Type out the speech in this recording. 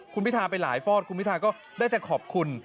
คุณพิทาไปหลายฟอดคุณพิทาก็ได้แต่ขอบคุณ